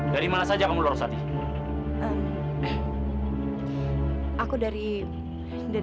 bila nikai ke usual perempuan archie sangatashenyang sekalian